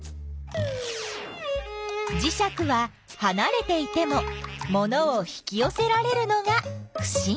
じしゃくははなれていてもものを引きよせられるのがふしぎ。